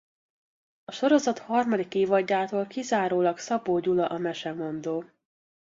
A sorozat harmadik évadjától kizárólag Szabó Gyula a mesemondó.